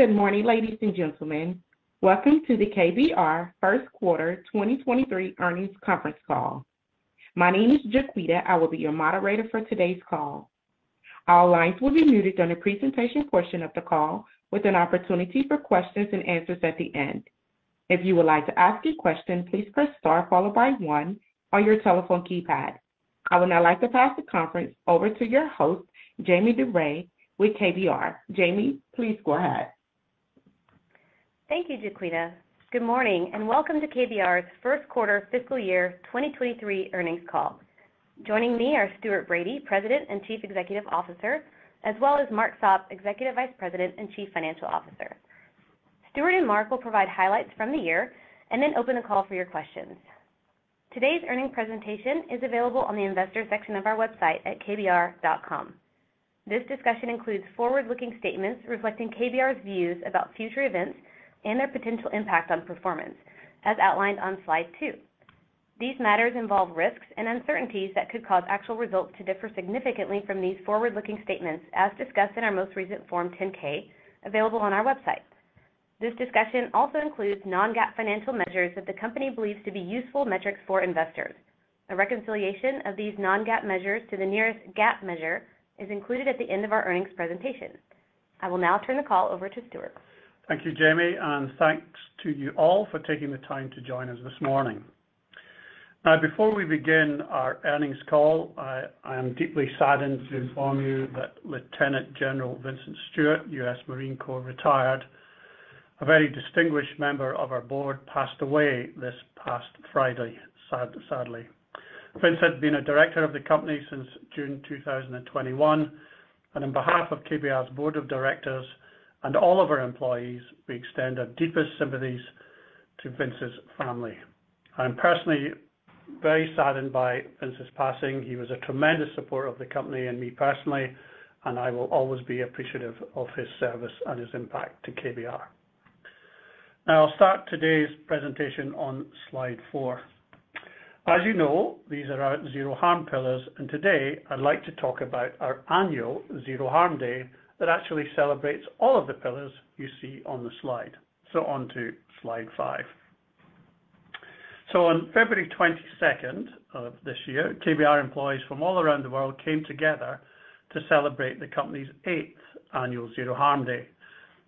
Good morning, ladies and gentlemen. Welcome to the KBR First Quarter 2023 Earnings Conference Call. My name is Jaquita. I will be your moderator for today's call. All lines will be muted during the presentation portion of the call with an opportunity for questions and answers at the end. If you would like to ask a question, please press star followed by one on your telephone keypad. I would now like to pass the conference over to your host, Jamie DuBray with KBR. Jamie, please go ahead. Thank you, Jaquita. Good morning and welcome to KBR's first quarter fiscal year 2023 earnings call. Joining me are Stuart Bradie, President and Chief Executive Officer, as well as Mark Sopp, Executive Vice President and Chief Financial Officer. Stuart and Mark will provide highlights from the year and then open the call for your questions. Today's earnings presentation is available on the investor section of our website at kbr.com. This discussion includes forward-looking statements reflecting KBR's views about future events and their potential impact on performance, as outlined on slide two. These matters involve risks and uncertainties that could cause actual results to differ significantly from these forward-looking statements as discussed in our most recent Form 10-K, available on our website. This discussion also includes non-GAAP financial measures that the company believes to be useful metrics for investors. A reconciliation of these non-GAAP measures to the nearest GAAP measure is included at the end of our earnings presentation. I will now turn the call over to Stuart. Thank you, Jamie, and thanks to you all for taking the time to join us this morning. Before we begin our earnings call, I am deeply saddened to inform you that Lieutenant General Vincent Stewart, U.S. Marine Corps retired, a very distinguished member of our board, passed away this past Friday, sadly. Vince had been a director of the company since June 2021, and on behalf of KBR's board of directors and all of our employees, we extend our deepest sympathies to Vince's family. I'm personally very saddened by Vince's passing. He was a tremendous supporter of the company and me personally, and I will always be appreciative of his service and his impact to KBR. I'll start today's presentation on slide four. As you know, these are our Zero Harm pillars, and today I'd like to talk about our annual Zero Harm Day that actually celebrates all of the pillars you see on the slide. On to slide five. On February 22nd of this year, KBR employees from all around the world came together to celebrate the company's 8th annual Zero Harm Day.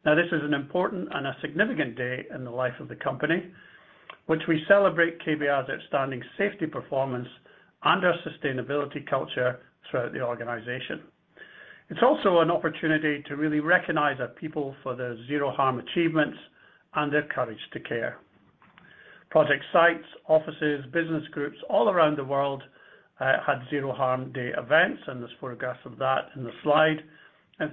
Now, this is an important and a significant day in the life of the company, which we celebrate KBR's outstanding safety performance and our sustainability culture throughout the organization. It's also an opportunity to really recognize our people for their Zero Harm achievements and their courage to care. Project sites, offices, business groups all around the world had Zero Harm Day events, and there's photographs of that in the slide.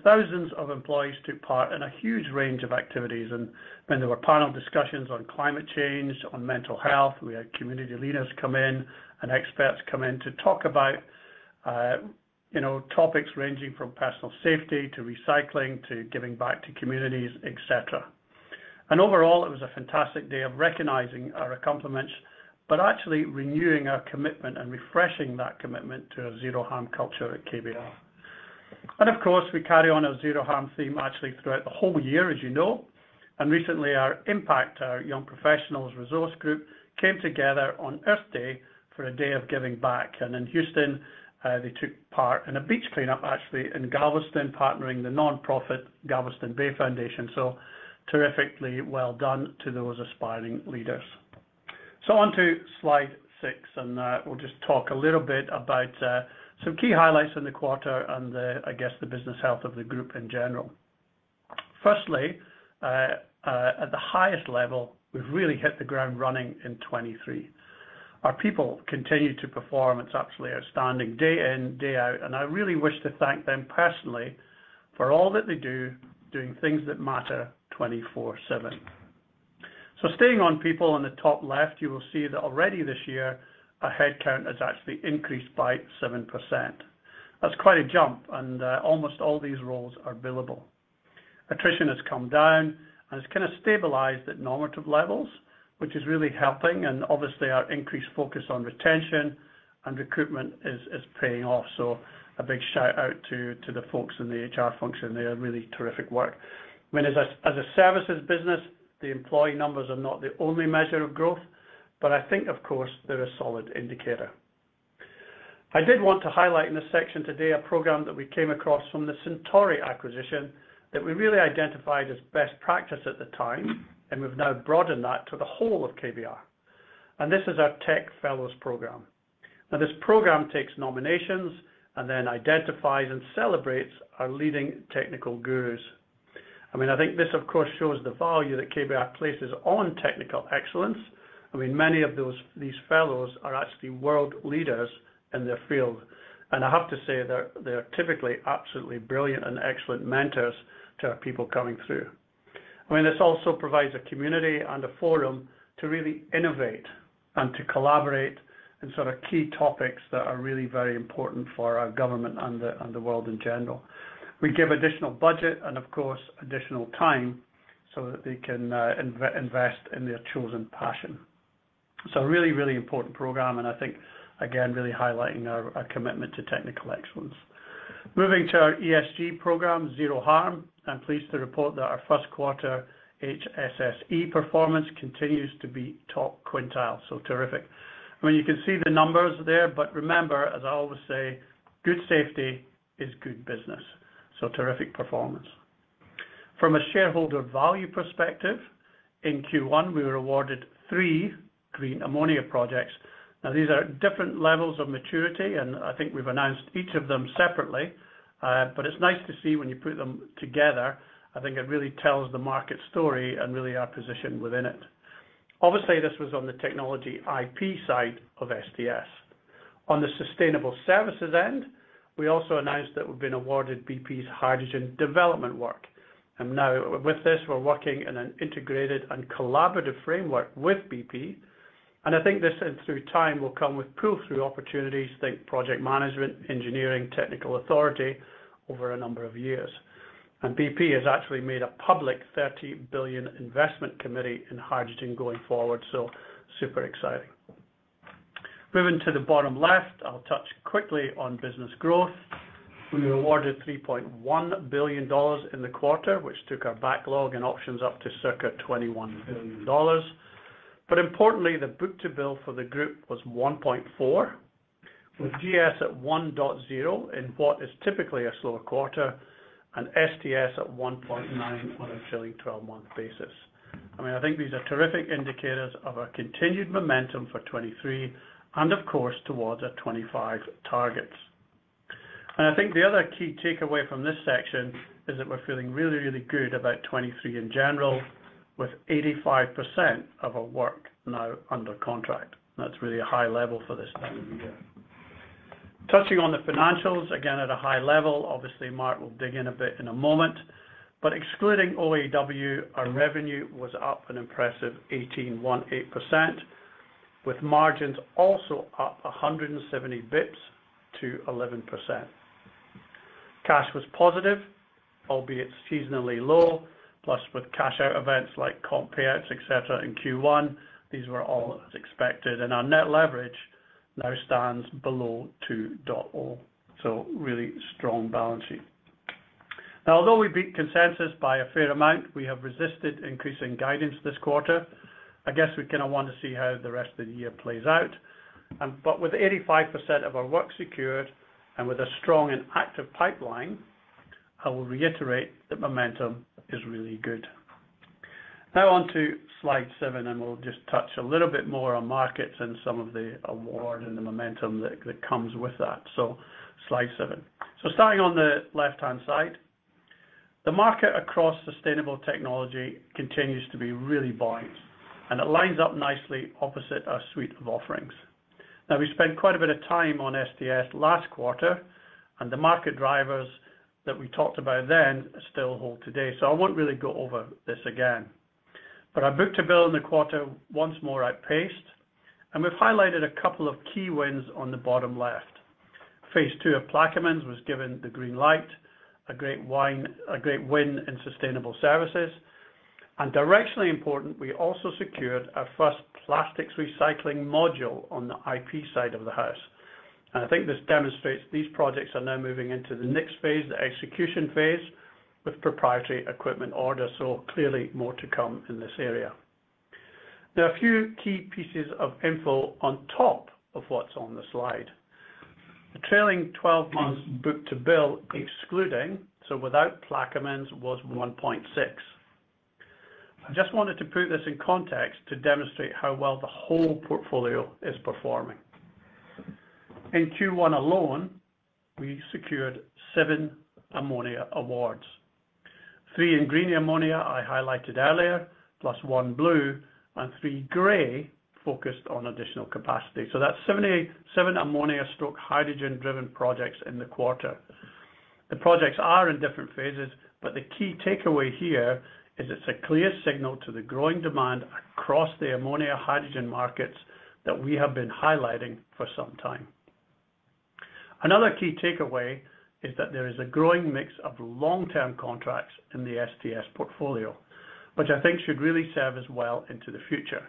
Thousands of employees took part in a huge range of activities and when there were panel discussions on climate change, on mental health. We had community leaders come in and experts come in to talk about, you know, topics ranging from personal safety to recycling, to giving back to communities, et cetera. Overall, it was a fantastic day of recognizing our accomplishments, but actually renewing our commitment and refreshing that commitment to a Zero Harm culture at KBR. Of course, we carry on our Zero Harm Theme actually throughout the whole year, as you know. Recently our IMPACT, our young professionals resource group, came together on Earth Day for a day of giving back. In Houston, they took part in a beach cleanup, actually in Galveston, partnering the nonprofit Galveston Bay Foundation. Terrifically well done to those aspiring leaders. On to slide six, we'll just talk a little bit about some key highlights in the quarter and the, I guess, the business health of the group in general. Firstly, at the highest level, we've really hit the ground running in 23. Our people continue to perform. It's absolutely outstanding day in, day out, and I really wish to thank them personally for all that they do doing things that matter 24/7. Staying on people on the top left, you will see that already this year, our head count has actually increased by 7%. That's quite a jump, and almost all these roles are billable. Attrition has come down and it's kind of stabilized at normative levels, which is really helping, and obviously our increased focus on retention and recruitment is paying off. A big shout out to the folks in the HR function. They are really terrific work. I mean, as a services business, the employee numbers are not the only measure of growth, but I think of course, they're a solid indicator. I did want to highlight in this section today a program that we came across from the Centauri acquisition that we really identified as best practice at the time, and we've now broadened that to the whole of KBR. This is our Tech Fellows program. Now this program takes nominations and then identifies and celebrates our leading technical gurus. I mean, I think this of course shows the value that KBR places on technical excellence. I mean, many of these fellows are actually world leaders in their field. I have to say that they're typically absolutely brilliant and excellent mentors to our people coming through. I mean, this also provides a community and a forum to really innovate and to collaborate in sort of key topics that are really very important for our government and the world in general. We give additional budget and of course, additional time so that they can invest in their chosen passion. A really important program, and I think again, really highlighting our commitment to technical excellence. Moving to our ESG program, Zero Harm. I'm pleased to report that our first quarter HSSE performance continues to be top quintile, so terrific. I mean, you can see the numbers there, but remember, as I always say, good safety is good business. Terrific performance. From a shareholder value perspective, in Q1 we were awarded three green ammonia projects. These are at different levels of maturity, and I think we've announced each of them separately. It's nice to see when you put them together, I think it really tells the market story and really our position within it. Obviously, this was on the technology IP side of SDS. On the sustainable services end, we also announced that we've been awarded BP's hydrogen development work. Now with this, we're working in an integrated and collaborative framework with BP. I think this in through time will come with pull-through opportunities, think project management, engineering, technical authority over a number of years. BP has actually made a public $30 billion investment committee in hydrogen going forward, super exciting. Moving to the bottom left, I'll touch quickly on business growth. We were awarded $3.1 billion in the quarter, which took our backlog and options up to circa $21 billion. Importantly, the book-to-bill for the group was 1.4, with GS at 1.0 in what is typically a slower quarter, and STS at 1.9 on a trailing 12-month basis. I mean, I think these are terrific indicators of our continued momentum for 2023 and of course, towards our 2025 targets. I think the other key takeaway from this section is that we're feeling really, really good about 2023 in general, with 85% of our work now under contract. That's really a high level for this time of year. Touching on the financials, again, at a high level, obviously Mark will dig in a bit in a moment, but excluding OAW, our revenue was up an impressive 18%, with margins also up 170 bits to 11%. Cash was positive, albeit seasonally low, plus with cash out events like comp payouts, et cetera, in Q1, these were all as expected. Our net leverage now stands below 2.0, so really strong balance sheet. Although we beat consensus by a fair amount, we have resisted increasing guidance this quarter. I guess we kind of want to see how the rest of the year plays out, but with 85% of our work secured and with a strong and active pipeline, I will reiterate that momentum is really good. On to slide seven, we'll just touch a little bit more on markets and some of the award and the momentum that comes with that. Slide seven. Starting on the left-hand side, the market across sustainable technology continues to be really buoyant, it lines up nicely opposite our suite of offerings. We spent quite a bit of time on SDS last quarter, the market drivers that we talked about then still hold today, I won't really go over this again. Our book-to-bill in the quarter once more outpaced, we've highlighted a couple of key wins on the bottom left. Phase II of Plaquemines was given the green light, a great win in sustainable services. Directionally important, we also secured our first plastics recycling module on the IP side of the house. I think this demonstrates these projects are now moving into the next phase, the execution phase, with proprietary equipment order. Clearly more to come in this area. A few key pieces of info on top of what's on the slide. The trailing 12 months book-to-bill excluding, so without Plaquemines, was 1.6. I just wanted to put this in context to demonstrate how well the whole portfolio is performing. In Q1 alone, we secured seven ammonia awards, three in green ammonia I highlighted earlier, plus one blue and three gray focused on additional capacity. That's 77 ammonia/hydrogen-driven projects in the quarter. The projects are in different phases, but the key takeaway here is it's a clear signal to the growing demand across the ammonia hydrogen markets that we have been highlighting for some time. Another key takeaway is that there is a growing mix of long-term contracts in the STS portfolio, which I think should really serve us well into the future.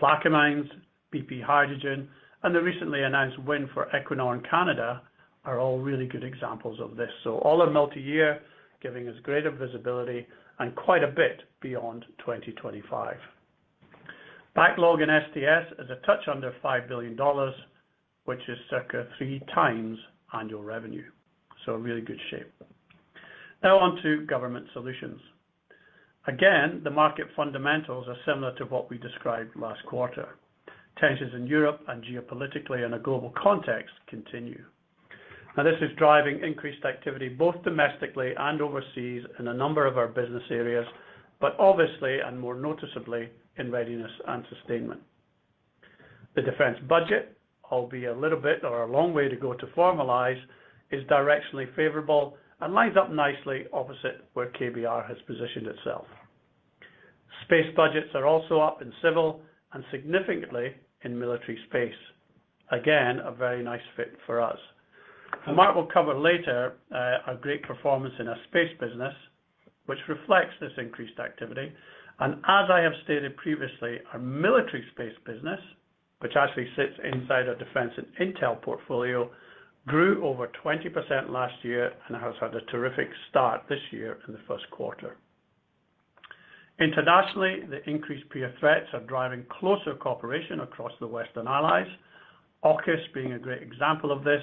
Plaquemines, BP Hydrogen, and the recently announced win for Equinor in Canada are all really good examples of this. All are multi-year, giving us greater visibility and quite a bit beyond 2025. Backlog in STS is a touch under $5 billion, which is circa three times annual revenue. Really good shape. On to government solutions. The market fundamentals are similar to what we described last quarter. Tensions in Europe and geopolitically in a global context continue. This is driving increased activity both domestically and overseas in a number of our business areas, but obviously and more noticeably in readiness and sustainment. The defense budget, albeit a little bit or a long way to go to formalize, is directionally favorable and lines up nicely opposite where KBR has positioned itself. Space budgets are also up in civil and significantly in military space. Again, a very nice fit for us. Mark will cover later, our great performance in our space business, which reflects this increased activity. As I have stated previously, our military space business, which actually sits inside our defense and intel portfolio, grew over 20% last year and has had a terrific start this year in the first quarter. Internationally, the increased peer threats are driving closer cooperation across the Western allies, AUKUS being a great example of this,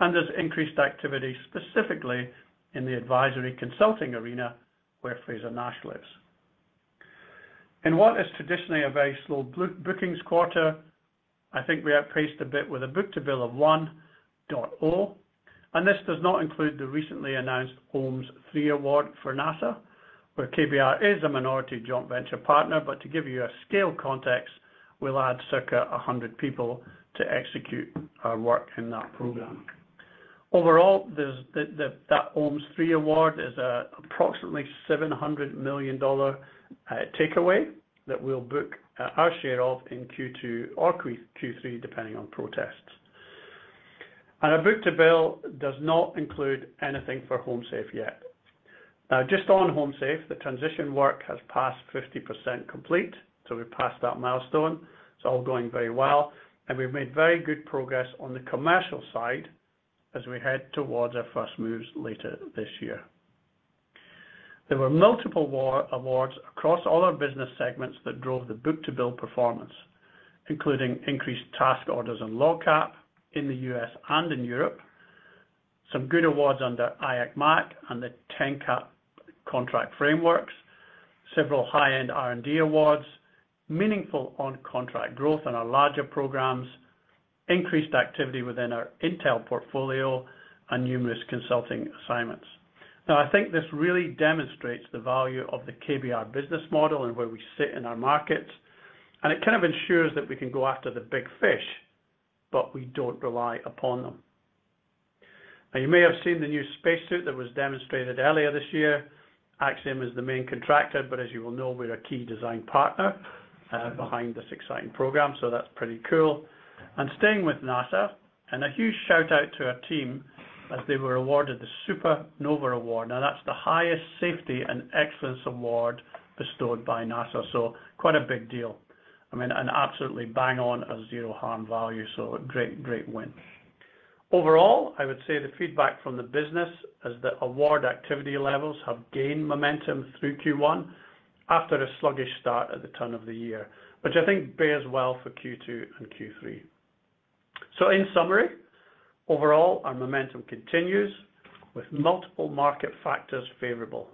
and there's increased activity specifically in the advisory consulting arena, where Frazer-Nash lives. In what is traditionally a very slow book, bookings quarter, I think we outpaced a bit with a book-to-bill of 1.0. This does not include the recently announced IMOC III award for NASA, where KBR is a minority joint venture partner. To give you a scale context, we'll add circa 100 people to execute our work in that program. Overall, there's the IMOC III award is approximately $700 million takeaway that we'll book us share of in Q2 or Q3, depending on protests. Our book-to-bill does not include anything for HomeSafe yet. Just on HomeSafe, the transition work has passed 50% complete, so we've passed that milestone. It's all going very well, and we've made very good progress on the commercial side as we head towards our first moves later this year. There were multiple awards across all our business segments that drove the book-to-bill performance, including increased task orders and LOGCAP in the U.S. and in Europe, some good awards under IAC MAC and the TENCAP contract frameworks, several high-end R&D awards, meaningful on-contract growth in our larger programs, increased activity within our intel portfolio, and numerous consulting assignments. I think this really demonstrates the value of the KBR business model and where we sit in our markets, and it kind of ensures that we can go after the big fish, but we don't rely upon them. You may have seen the new spacesuit that was demonstrated earlier this year. Axiom is the main contractor, but as you will know, we're a key design partner behind this exciting program, so that's pretty cool. Staying with NASA, and a huge shout out to our team as they were awarded the Supernova Award. That's the highest safety and excellence award bestowed by NASA, so quite a big deal. I mean, and absolutely bang on our Zero Harm value, so a great win. Overall, I would say the feedback from the business is that award activity levels have gained momentum through Q1 after a sluggish start at the turn of the year, which I think bodes well for Q2 and Q3. In summary, overall, our momentum continues with multiple market factors favorable.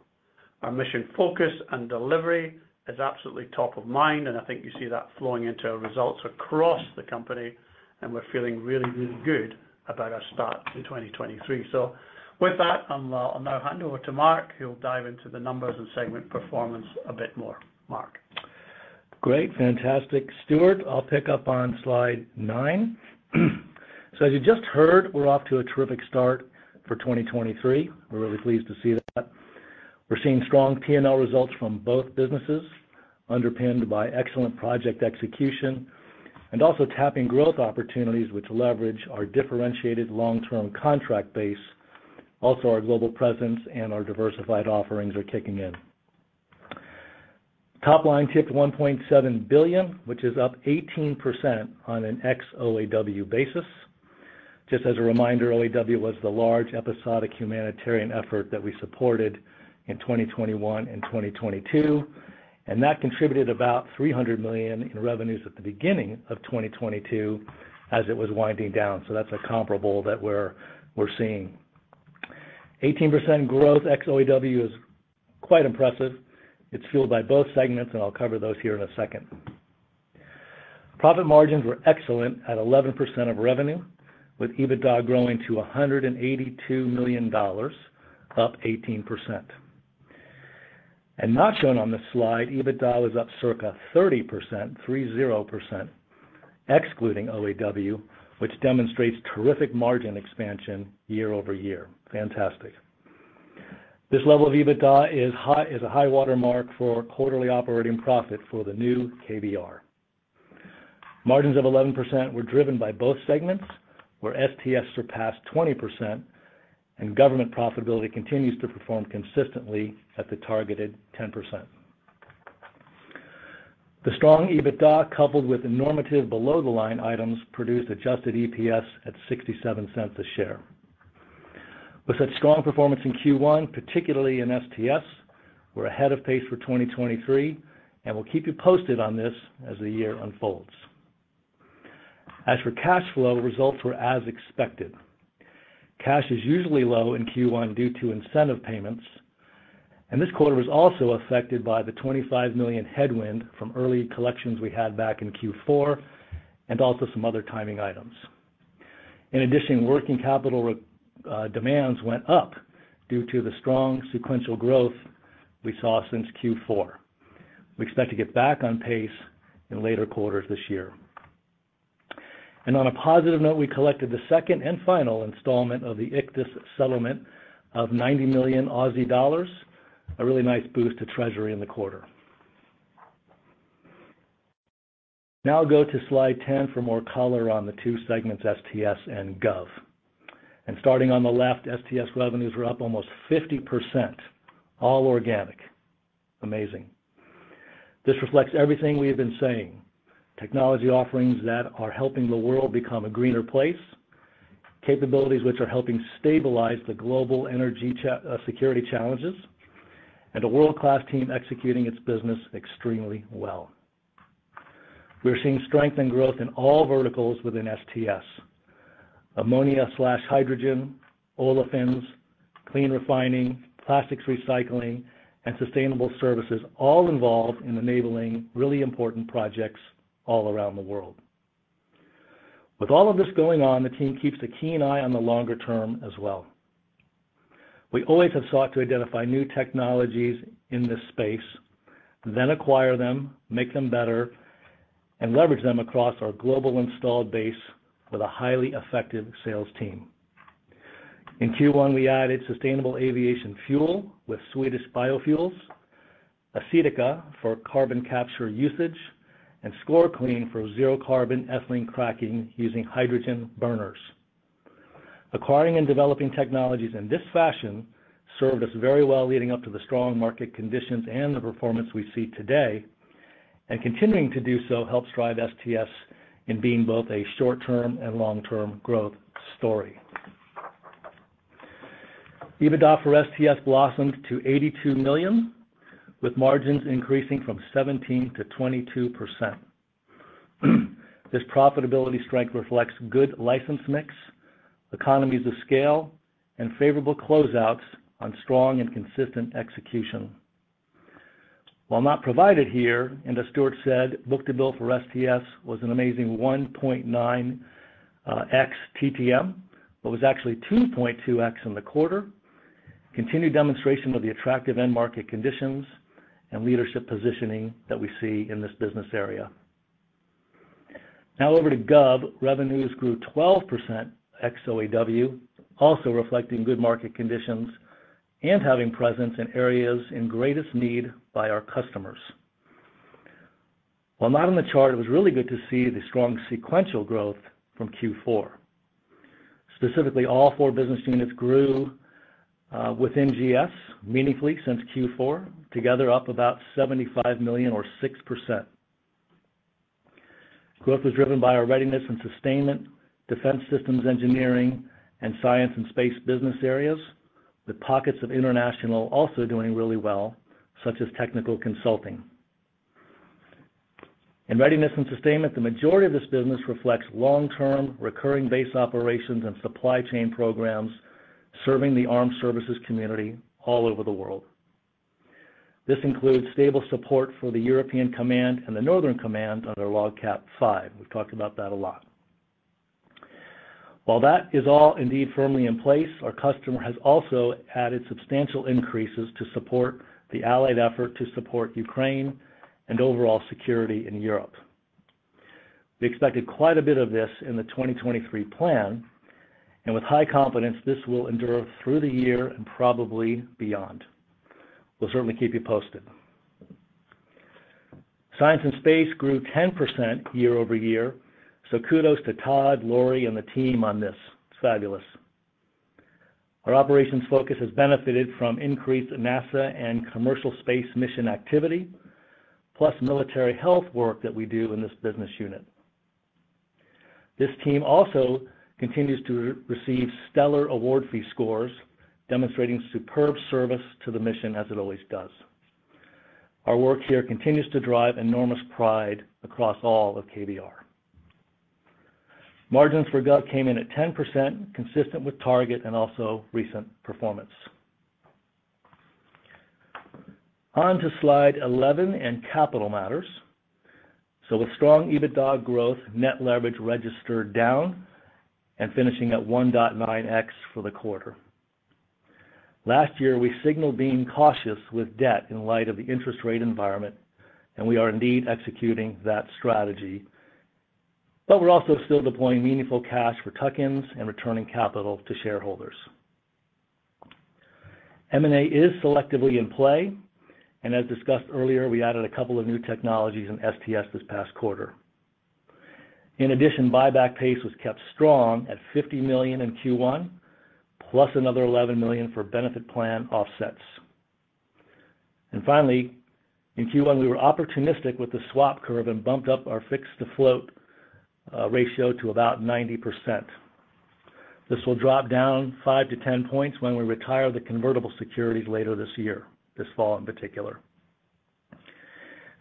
Our mission focus and delivery is absolutely top of mind, and I think you see that flowing into our results across the company, and we're feeling really, really good about our start to 2023. With that, I'll now hand over to Mark, who'll dive into the numbers and segment performance a bit more. Mark. Great. Fantastic. Stuart, I'll pick up on slide nine. As you just heard, we're off to a terrific start for 2023. We're really pleased to see that. We're seeing strong P&L results from both businesses, underpinned by excellent project execution and also tapping growth opportunities which leverage our differentiated long-term contract base. Also, our global presence and our diversified offerings are kicking in. Top line ticked $1.7 billion, which is up 18% on an ex-OAW basis. Just as a reminder, OAW was the large episodic humanitarian effort that we supported in 2021 and 2022, and that contributed about $300 million in revenues at the beginning of 2022 as it was winding down. That's a comparable that we're seeing. 18% growth ex-OAW is quite impressive. It's fueled by both segments, and I'll cover those here in a second. Profit margins were excellent at 11% of revenue, with EBITDA growing to $182 million, up 18%. Not shown on this slide, EBITDA is up circa 30%, 30%, excluding OAW, which demonstrates terrific margin expansion year-over-year. Fantastic. This level of EBITDA is a high-water mark for quarterly operating profit for the new KBR. Margins of 11% were driven by both segments, where STS surpassed 20% and government profitability continues to perform consistently at the targeted 10%. The strong EBITDA, coupled with normative below-the-line items, produced adjusted EPS at $0.67 a share. With such strong performance in Q1, particularly in STS, we're ahead of pace for 2023, and we'll keep you posted on this as the year unfolds. As for cash flow, results were as expected. Cash is usually low in Q1 due to incentive payments. This quarter was also affected by the $25 million headwind from early collections we had back in Q4, also some other timing items. In addition, working capital demands went up due to the strong sequential growth we saw since Q4. We expect to get back on pace in later quarters this year. On a positive note, we collected the second and final installment of the Ichthys settlement of 90 million Aussie dollars, a really nice boost to Treasury in the quarter. Now go to slide 10 for more color on the two segments, STS and gov. Starting on the left, STS revenues were up almost 50%, all organic. Amazing. This reflects everything we have been saying. Technology offerings that are helping the world become a greener place, capabilities which are helping stabilize the global energy security challenges, and a world-class team executing its business extremely well. We are seeing strength and growth in all verticals within STS. Ammonia/hydrogen, olefins, clean refining, plastics recycling, and sustainable services, all involved in enabling really important projects all around the world. With all of this going on, the team keeps a keen eye on the longer term as well. We always have sought to identify new technologies in this space, then acquire them, make them better, and leverage them across our global installed base with a highly effective sales team. In Q1, we added sustainable aviation fuel with Swedish Biofuels, Acetica for carbon capture usage, and SCOREKlean for zero carbon ethylene cracking using hydrogen burners. Acquiring and developing technologies in this fashion served us very well leading up to the strong market conditions and the performance we see today. Continuing to do so helps drive STS in being both a short-term and long-term growth story. EBITDA for STS blossomed to $82 million, with margins increasing from 17%-22%. This profitability strength reflects good license mix, economies of scale, and favorable closeouts on strong and consistent execution. While not provided here, and as Stuart said, book-to-bill for STS was an amazing 1.9, ex TTM, but was actually 2.2x in the quarter, continued demonstration of the attractive end market conditions and leadership positioning that we see in this business area. Now over to gov, revenues grew 12% ex-OAW, also reflecting good market conditions and having presence in areas in greatest need by our customers. While not on the chart, it was really good to see the strong sequential growth from Q4. Specifically, all four business units grew within GS meaningfully since Q4, together up about $75 million or 6%. Growth was driven by our readiness and sustainment, defense systems engineering, and science and space business areas, with pockets of international also doing really well, such as technical consulting. In readiness and sustainment, the majority of this business reflects long-term, recurring base operations and supply chain programs serving the armed services community all over the world. This includes stable support for the European Command and the Northern Command under LOGCAP VI. We've talked about that a lot. While that is all indeed firmly in place, our customer has also added substantial increases to support the allied effort to support Ukraine and overall security in Europe. We expected quite a bit of this in the 2023 plan, and with high confidence, this will endure through the year and probably beyond. We'll certainly keep you posted. Science and space grew 10% year over year, kudos to Todd, Laurie, and the team on this. Fabulous. Our operations focus has benefited from increased NASA and commercial space mission activity, plus military health work that we do in this business unit. This team also continues to re-receive stellar award fee scores, demonstrating superb service to the mission as it always does. Our work here continues to drive enormous pride across all of KBR. Margins for Gov came in at 10%, consistent with target and also recent performance. On to slide 11 and capital matters. With strong EBITDA growth, net leverage registered down and finishing at 1.9x for the quarter. Last year, we signaled being cautious with debt in light of the interest rate environment, and we are indeed executing that strategy. We're also still deploying meaningful cash for tuck-ins and returning capital to shareholders. M&A is selectively in play, and as discussed earlier, we added a couple of new technologies in STS this past quarter. In addition, buyback pace was kept strong at $50 million in Q1, plus another $11 million for benefit plan offsets. Finally, in Q1, we were opportunistic with the swap curve and bumped up our fixed-to-float ratio to about 90%. This will drop down 5-10 points when we retire the convertible securities later this year, this fall in particular.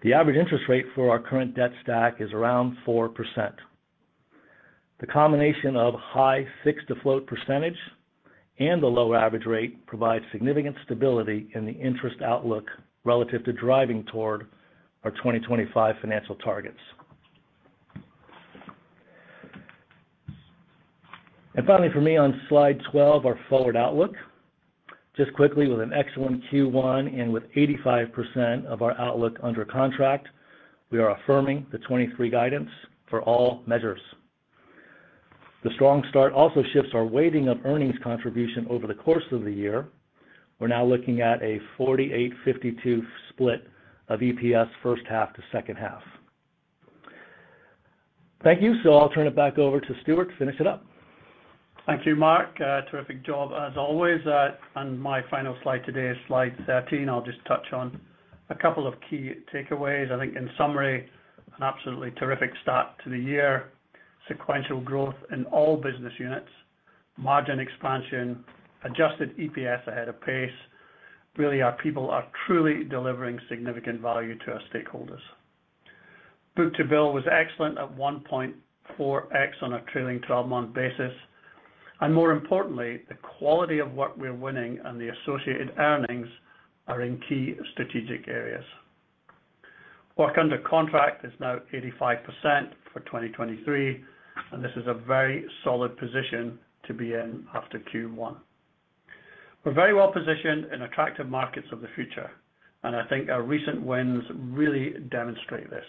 The average interest rate for our current debt stack is around 4%. The combination of high fixed-to-float percentage and the low average rate provides significant stability in the interest outlook relative to driving toward our 2025 financial targets. Finally for me on slide 12, our forward outlook. Just quickly, with an excellent Q1 and with 85% of our outlook under contract, we are affirming the 2023 guidance for all measures The strong start also shifts our weighting of earnings contribution over the course of the year. We're now looking at a 48-52 split of EPS first half to second half. Thank you. I'll turn it back over to Stuart to finish it up. Thank you, Mark. Terrific job as always. My final slide today is slide 13. I'll just touch on a couple of key takeaways. I think in summary, an absolutely terrific start to the year. Sequential growth in all business units. Margin expansion, adjusted EPS ahead of pace. Really, our people are truly delivering significant value to our stakeholders. Book-to-bill was excellent at 1.4x on a trailing 12-month basis. More importantly, the quality of work we're winning and the associated earnings are in key strategic areas. Work under contract is now 85% for 2023, and this is a very solid position to be in after Q1. We're very well positioned in attractive markets of the future, and I think our recent wins really demonstrate this.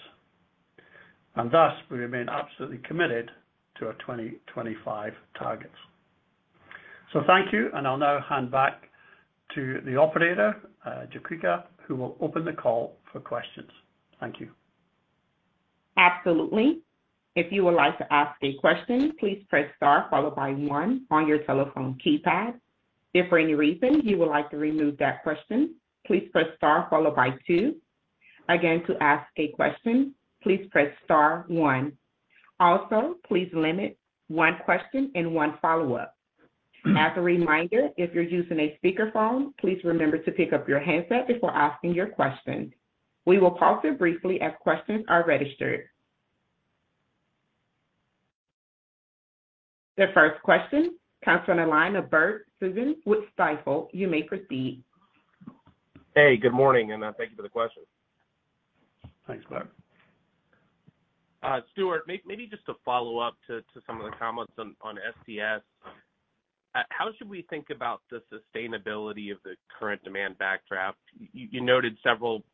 Thus, we remain absolutely committed to our 2025 targets. Thank you. I'll now hand back to the operator, Jaquita, who will open the call for questions. Thank you. Absolutely. If you would like to ask a question, please press star followed by one on your telephone keypad. If for any reason you would like to remove that question, please press star followed by two. Again, to ask a question, please press star one. Also, please limit one question and one follow-up. As a reminder, if you're using a speakerphone, please remember to pick up your handset before asking your question. We will pause here briefly as questions are registered. The first question comes on the line of Bert Subin with Stifel. You may proceed. Hey, good morning, and, thank you for the question. Thanks, Bert. Stuart, maybe just to follow up to some of the comments on STS. How should we think about the sustainability of the current demand backdrop? You noted several,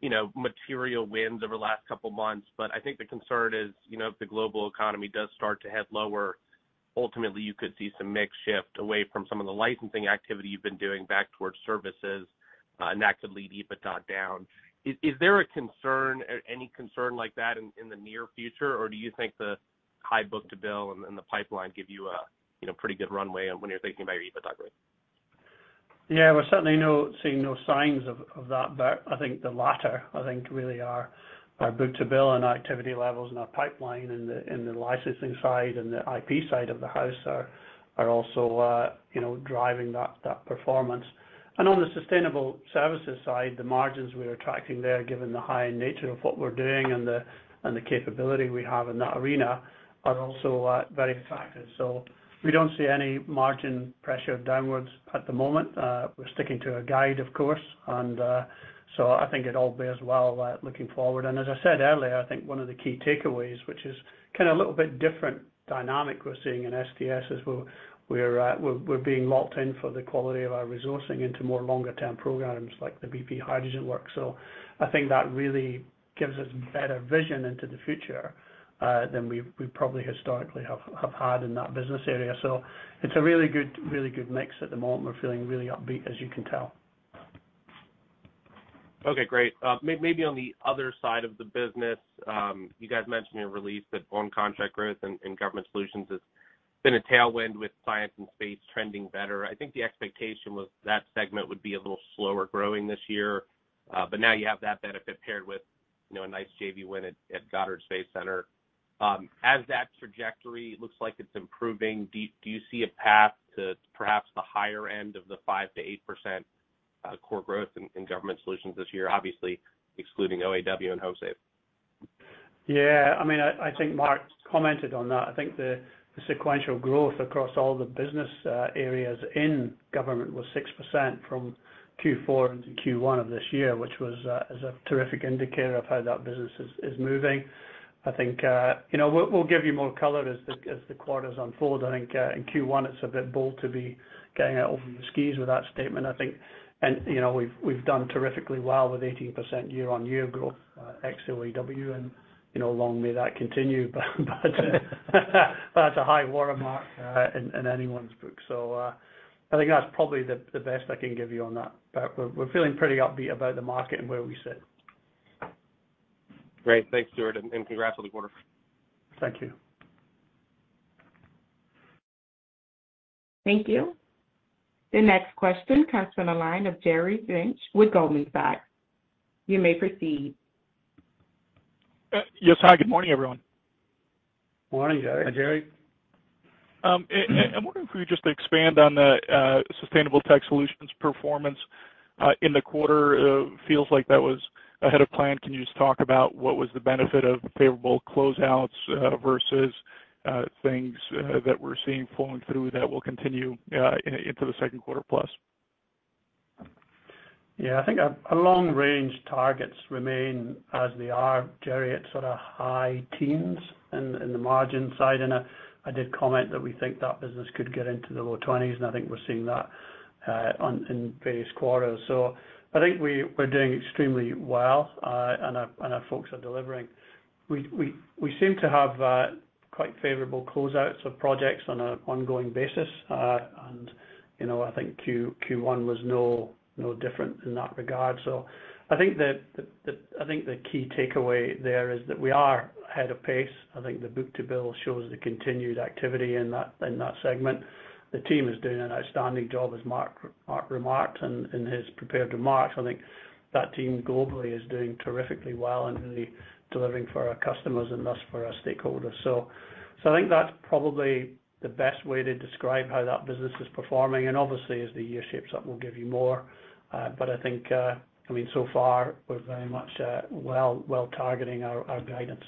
you know, material wins over the last couple of months, but I think the concern is, you know, if the global economy does start to head lower, ultimately, you could see some mix shift away from some of the licensing activity you've been doing back towards services and that could lead EBITDA down. Is there a concern, any concern like that in the near future? Or do you think the high book-to-bill and the pipeline give you a, you know, pretty good runway when you're thinking about your EBITDA growth? Yeah, we're certainly seeing no signs of that, Bert. I think the latter, I think really are book-to-bill and activity levels in our pipeline in the licensing side and the IP side of the house are also, you know, driving that performance. On the sustainable services side, the margins we're attracting there, given the high nature of what we're doing and the capability we have in that arena, are also very attractive. We don't see any margin pressure downwards at the moment. We're sticking to our guide, of course. I think it all bears well looking forward. As I said earlier, I think one of the key takeaways, which is a little bit different dynamic we're seeing in STS, is we're being locked in for the quality of our resourcing into more longer-term programs like the BP hydrogen work. I think that really gives us better vision into the future than we've probably historically had in that business area. It's a really good, really good mix at the moment. We're feeling really upbeat, as you can tell. Okay, great. maybe on the other side of the business, you guys mentioned in your release that on contract growth in Government Solutions has been a tailwind with science and space trending better. I think the expectation was that segment would be a little slower growing this year. Now you have that benefit paired with, you know, a nice JV win at Goddard Space Center. As that trajectory looks like it's improving, do you see a path to perhaps the higher end of the 5% to 8% core growth in Government Solutions this year, obviously excluding OAW and HomeSafe? Yeah. I mean, I think Mark commented on that. I think the sequential growth across all the business areas in government was 6% from Q4 into Q1 of this year, which is a terrific indicator of how that business is moving. I think, we'll give you more color as the quarters unfold. I think, in Q1, it's a bit bold to be getting out over the skis with that statement. I think we've done terrifically well with 18% year-over-year growth, ex-OAW, you know, long may that continue. That's a high watermark in anyone's book. I think that's probably the best I can give you on that. We're feeling pretty upbeat about the market and where we sit. Great. Thanks, Stuart, and congrats on the quarter. Thank you. Thank you. The next question comes from the line of Jerry Revich with Goldman Sachs. You may proceed. Yes. Hi, good morning, everyone. Morning, Jerry. Hi, Jerry. I'm wondering if you could just expand on the sustainable tech solutions performance in the quarter. Feels like that was ahead of plan. Can you just talk about what was the benefit of favorable closeouts versus things that we're seeing flowing through that will continue into the second quarter plus? I think our long-range targets remain as they are, Jerry, at sort of high teens in the margin side. I did comment that we think that business could get into the low 20s, and I think we're seeing that in various quarters. I think we're doing extremely well, and our folks are delivering. We seem to have quite favorable close outs of projects on an ongoing basis. I think Q one was no different in that regard. I think the key takeaway there is that we are ahead of pace. I think the book-to-bill shows the continued activity in that segment. The team is doing an outstanding job as Mark remarked in his prepared remarks. I think that team globally is doing terrifically well and really delivering for our customers and thus for our stakeholders. I think that's probably the best way to describe how that business is performing. Obviously as the year shapes up, we'll give you more. I think, I mean, so far we're very much well targeting our guidance.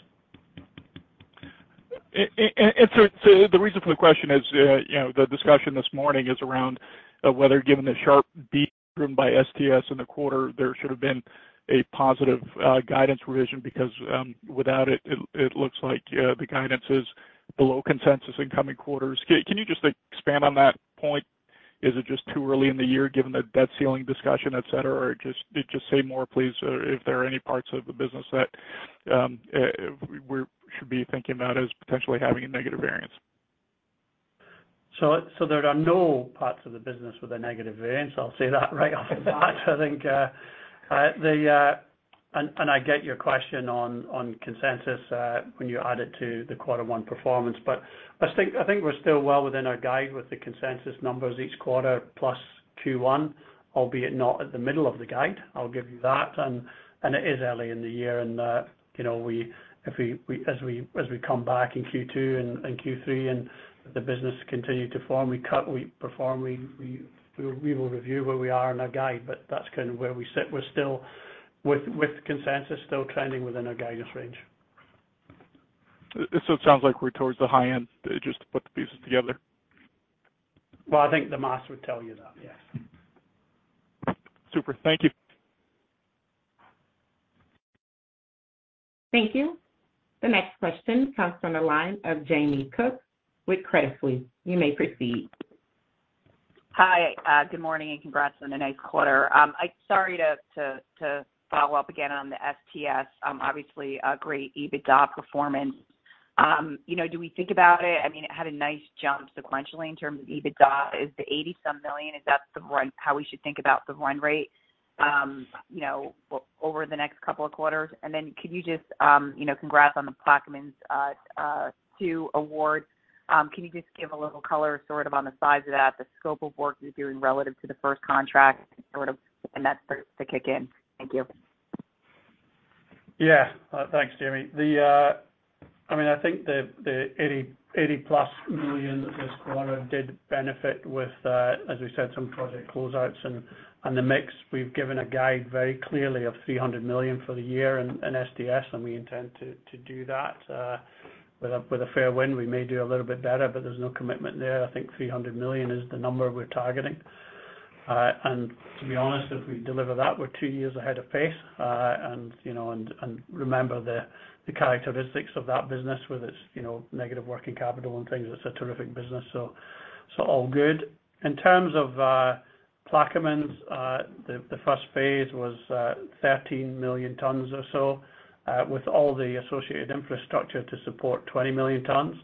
The reason for the question is, you know, the discussion this morning is around whether given the sharp beat by STS in the quarter, there should have been a positive guidance revision because, without it looks like, the guidance is below consensus in coming quarters. Can you just expand on that point? Is it just too early in the year given the debt ceiling discussion, et cetera? Just say more please if there are any parts of the business that, we should be thinking about as potentially having a negative variance. There are no parts of the business with a negative variance. I'll say that right off the bat. I think. I get your question on consensus, when you add it to the Q1 performance. I think we're still well within our guide with the consensus numbers each quarter plus Q1, albeit not at the middle of the guide, I'll give you that. It is early in the year and, you know, as we come back in Q2 and Q3 and the business continue to form, we perform, we will review where we are in our guide, but that's kind of where we sit. We're still with consensus still trending within our guidance range. It sounds like we're towards the high end just to put the pieces together. Well, I think the math would tell you that, yes. Super. Thank you. Thank you. The next question comes from the line of Jamie Cook with Credit Suisse. You may proceed. Hi, good morning and congrats on a nice quarter. Sorry to follow up again on the STS. Obviously a great EBITDA performance. You know, do we think about it? I mean, it had a nice jump sequentially in terms of EBITDA. Is the $80 some million, is that how we should think about the run rate, you know, over the next couple of quarters? Could you just, you know, congrats on the Plaquemines two awards. Can you just give a little color sort of on the size of that, the scope of work you're doing relative to the first contract, sort of when that starts to kick in? Thank you. Yeah. Thanks, Jamie. I mean, I think the $80 plus million this quarter did benefit with, as we said, some project close outs and the mix. We've given a guide very clearly of $300 million for the year in STS, and we intend to do that with a fair wind. We may do a little bit better, but there's no commitment there. I think $300 million is the number we're targeting. To be honest, if we deliver that, we're two years ahead of pace. You know, and remember the characteristics of that business with its, you know, negative working capital and things. It's a terrific business. All good. In terms of Plaquemines, the first phase was 13 million tons or so, with all the associated infrastructure to support 20 million tons.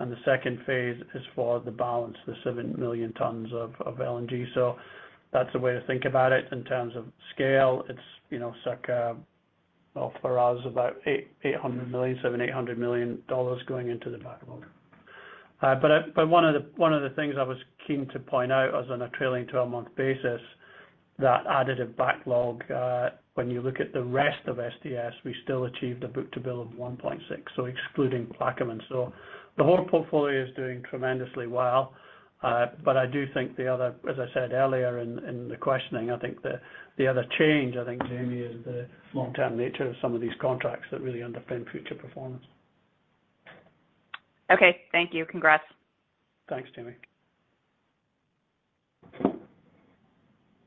The second phase is for the balance, the 7 million tons of LNG. That's the way to think about it in terms of scale. It's, you know, circa, well, for us, about $800 million, $700 million-$800 million going into the backlog. But one of the things I was keen to point out was on a trailing twelve-month basis, that additive backlog, when you look at the rest of STS, we still achieved a book-to-bill of 1.6, so excluding Plaquemines. The whole portfolio is doing tremendously well. I do think the other, as I said earlier in the questioning, I think the other change, I think, Jamie, is the long-term nature of some of these contracts that really underpin future performance. Okay. Thank you. Congrats. Thanks, Jamie.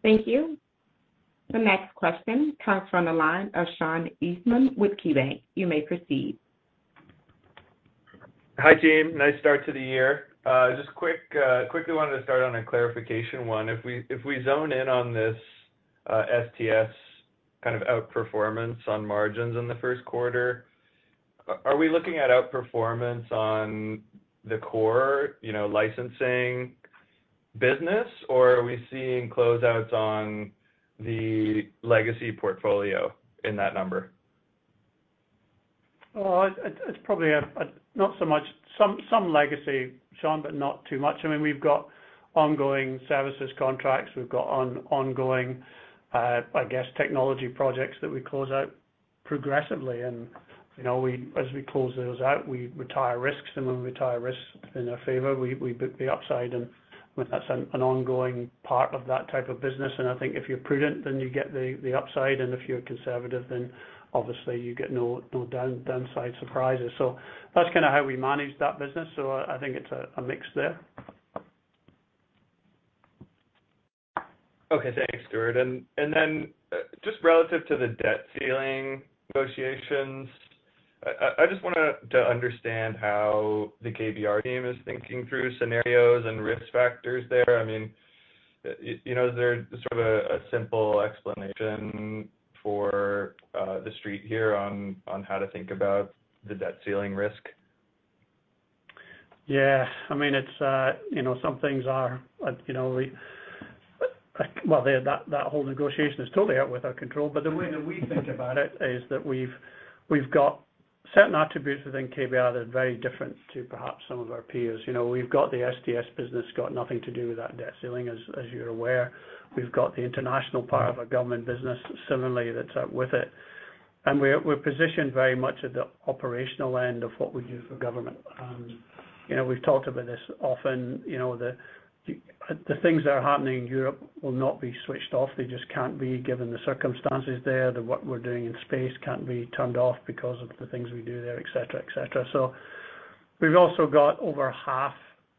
Thank you. The next question comes from the line of Sean Eastman with KeyBanc. You may proceed. Hi, Jamie. Nice start to the year. just quick, quickly wanted to start on a clarification one. If we zone in on this STS kind of outperformance on margins in the first quarter, are we looking at outperformance on the core, you know, licensing business, or are we seeing closeouts on the legacy portfolio in that number? Well, it's probably a not so much. Some legacy, Sean, but not too much. I mean, we've got ongoing services contracts. We've got ongoing, I guess, technology projects that we close out progressively. You know, as we close those out, we retire risks, and when we retire risks in our favor, we book the upside. That's an ongoing part of that type of business. I think if you're prudent, then you get the upside, and if you're conservative, then obviously you get no downside surprises. That's kinda how we manage that business. I think it's a mix there. Okay. Thanks, Stuart. Then just relative to the debt ceiling negotiations, I just wanted to understand how the KBR team is thinking through scenarios and risk factors there. I mean, you know, is there sort of a simple explanation for the street here on how to think about the debt ceiling risk? Yeah. I mean, it's some things are, you know, that whole negotiation is totally out with our control. The way that we think about it is that we've got certain attributes within KBR that are very different to perhaps some of our peers. We've got the SDS business, got nothing to do with that debt ceiling, as you're aware. We've got the international part of our government business similarly that's up with it. We're positioned very much at the operational end of what we do for government. We've talked about this often, you know, the things that are happening in Europe will not be switched off. They just can't be, given the circumstances there. The work we're doing in space can't be turned off because of the things we do there, et cetera, et cetera. We've also got over half